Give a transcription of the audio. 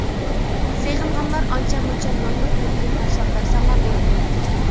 سېغىنغانلار ئانچە مۇنچە ناننىڭ ئۇۋىقىدىن تاشلاپ بەرسەڭلار بولىدۇ.